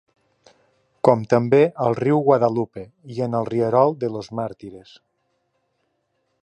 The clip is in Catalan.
Com també al riu Guadalupe i en el rierol de Los Martires.